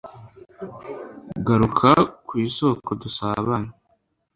garuka ku isoko dusabane